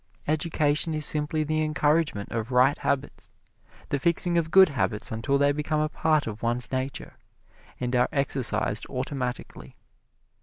Education is simply the encouragement of right habits the fixing of good habits until they become a part of one's nature, and are exercised automatically.